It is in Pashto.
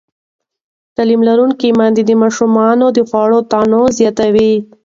تعلیم لرونکې میندې د ماشومانو د خواړو تنوع زیاتوي.